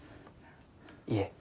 いえ。